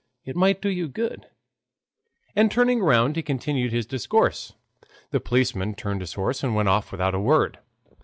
It might do you good"; and turning round he continued his discourse. The policeman turned his horse and went off without a word.